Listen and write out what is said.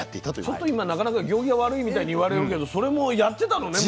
ちょっと今なかなか行儀が悪いみたいに言われるけどそれもやってたのね。